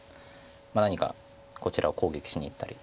何かこちらを攻撃しにいったり。